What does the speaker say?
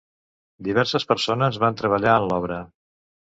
Diverses persones van treballar en l'obra.